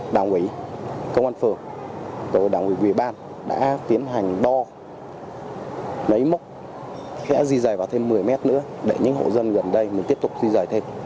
đảng quỳ bàn đã tiến hành đo lấy mốc sẽ di dời vào thêm một mươi m nữa để những hữu dân gần đây tiếp tục di dời thêm